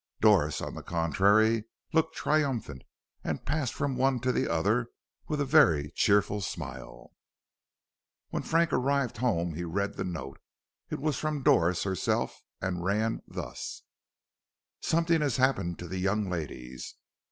Doris, on the contrary, looked triumphant, and passed from one to the other with a very cheerful smile. When Frank arrived home he read that note. It was from Doris herself, and ran thus: "Something has happened to the young ladies.